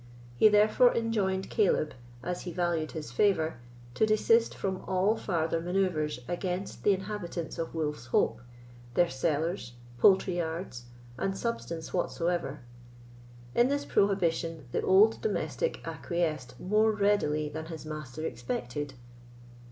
He therefore enjoined Caleb, as he valued his favour, to desist from all farther maneouvres against the inhabitants of Wolf's Hope, their cellars, poultry yards, and substance whatsoever. In this prohibition, the old domestic acquiesced more readily than his master expected.